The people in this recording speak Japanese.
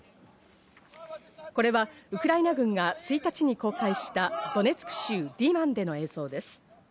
これはウクライナ軍が１日に公開した、ドネツク州リマンでの映像です。